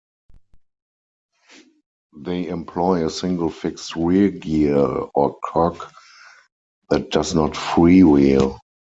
They employ a single fixed rear gear, or cog, that does not freewheel.